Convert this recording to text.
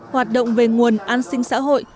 hoạt động về nguồn an sinh xã hội